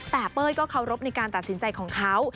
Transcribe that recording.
แต่เป้ยก็เคารพในการตัดสินใจของเขา